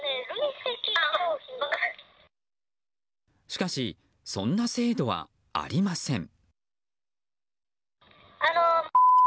しかしそんな制度はありません。